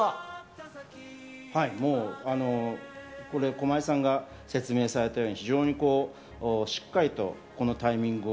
駒井さんが説明されたように、しっかりとこのタイミングを